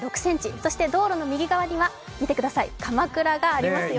そして道路の右側にはかまくらがありますよ。